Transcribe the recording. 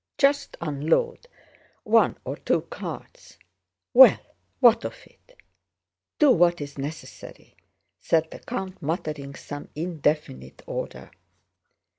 Just unload one or two carts. Well, what of it... do what's necessary..." said the count, muttering some indefinite order.